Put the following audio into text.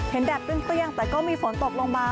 เห็นแดดเป้ื้องเปลี่ยงแต่มีฝนตกลงมา